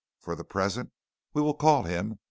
For the present we will call him Mr. X."